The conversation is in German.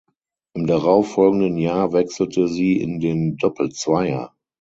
Im darauffolgenden Jahr wechselte sie in den Doppelzweier.